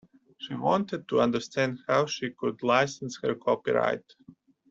She wanted to understand how she could license her copyright.